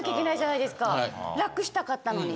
楽したかったのに。